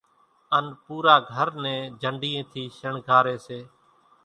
ان پورا گھر نين جنڍِيئين ٿِي شڻگاري سي